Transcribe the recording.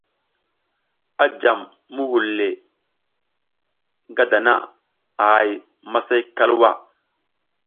A jam muhul le ngada a hay masay kalwa.